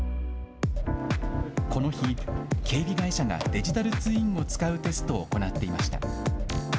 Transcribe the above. この日、警備会社がデジタルツインを使うテストを行っていました。